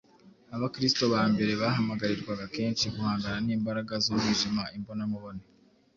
Abakristo ba mbere bahamagarirwaga kenshi guhangana n’imbaraga z’umwijima imbona nkubone